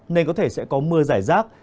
nên có thể sẽ có mưa giải rác